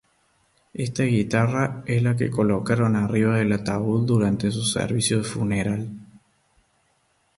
Esta guitarra es la que colocaron arriba del ataúd durante su servicio de funeral.